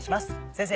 先生